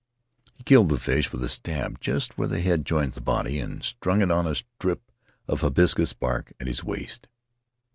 He killed the fish with a stab just where the head joins the body, and strung it on the strip of hibiscus bark at his waist.